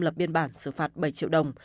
lập biên bản xử phạt bảy triệu đồng